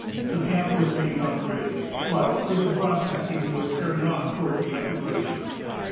A camp was made on the ridge, while further prospecting was carried on toward the upper glacier.